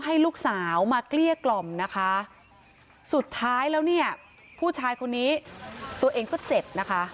ให้ลูกสาวมาเกลี้ยกล่อมนะคะสุดท้ายแล้วเนี่ยผู้ชายคนนี้ตัวเองก็เจ็บนะคะ